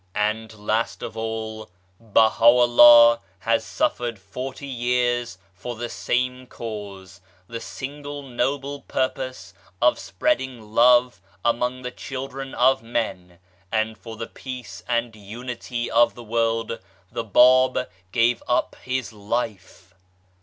And last of all, Baha'u'llah has suffered forty years for the same cause the single noble purpose of spreading love among the children of men and for the peace and unity of the world the Bab gave up his life.